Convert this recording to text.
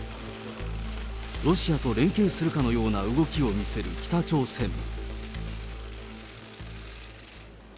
ロシアと連携するかのような動きを見せる北朝鮮。